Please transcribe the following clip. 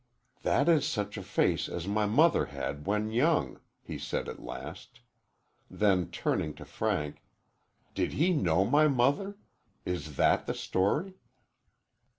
"That is such a face as my mother had when young," he said at last. Then turning to Frank, "Did he know my mother? Is that the story?"